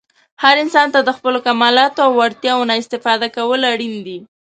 هر انسان ته د خپلو کمالاتو او وړتیاوو نه استفاده کول اړین دي.